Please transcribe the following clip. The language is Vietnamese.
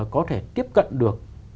có thể tiếp cận được